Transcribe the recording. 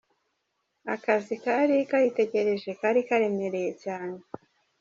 Akazi kari kayitegereje kari karemereye cyane.